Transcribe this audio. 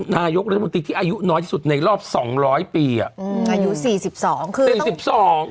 นายกรัฐมนตรีที่อายุน้อยที่สุดในรอบสองร้อยปีอ่ะอืมอายุสี่สิบสองคือสี่สิบสอง